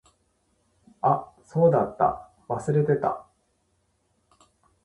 あ、そうだった。忘れてた。